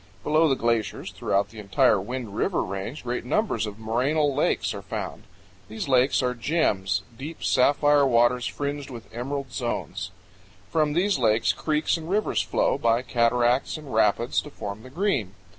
Below the glaciers throughout the entire Wind River Range great numbers of morainal lakes are found. These lakes are gems deep sapphire waters fringed with emerald zones. From these lakes creeks and rivers flow, by cataracts and rapids, to form the Green.